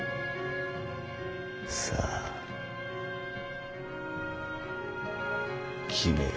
さあ決めよ。